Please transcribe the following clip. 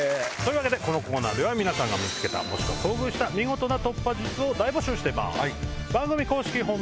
このコーナーでは皆さんが見つけたもしくは遭遇した見事な突破術を大募集しています。